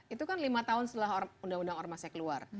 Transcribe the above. itu kan lima tahun setelah undang undang ormasnya keluar